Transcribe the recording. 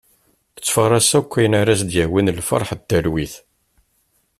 Tettfaras ayen akk ara as-d-yawin lferḥ d talwit.